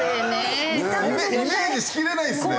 イメージしきれないですね。